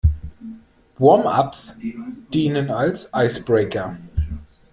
Warm-ups dienen als Icebreaker.